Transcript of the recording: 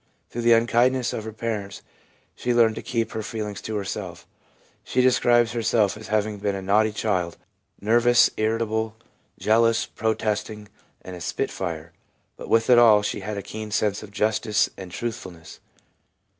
Through the unkindness of her parents, she learned to keep her feelings to herself. She describes herself as having been a naughty child, nervous, irritable, jealous, protesting, and a spit fire, but with it all she had a keen sense of justice and of truthfulness.